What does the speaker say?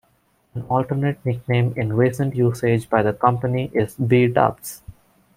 An alternate nickname in recent usage by the company is B-Dubs.